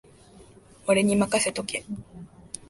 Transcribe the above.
俺にまかせとけ